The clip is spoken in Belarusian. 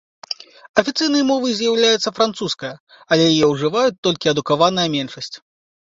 Афіцыйнай мовай з'яўляецца французская, але яе ўжываюць толькі адукаваная меншасць.